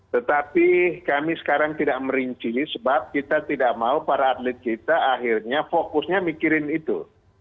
tetapi kami sekarang tidak merinci sebab kita tidak mau para atlet kita akhirnya fokusnya mikirin itu